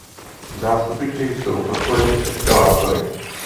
Nástupiště jsou propojeny eskalátory.